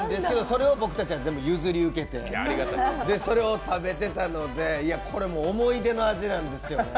それを僕たちが全部、譲り受けてそれを食べてたので、これ、もう思い出の味なんですよね。